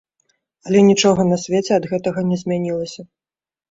Але нічога на свеце ад гэтага не змянілася.